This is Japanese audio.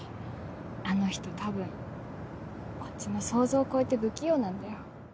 あの人多分こっちの想像を超えて不器用なんだよ。